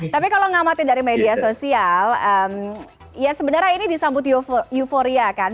tapi kalau ngamatin dari media sosial ya sebenarnya ini disambut euforia kan